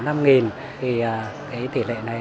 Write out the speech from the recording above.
thì tỷ lệ này